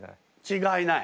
違いない。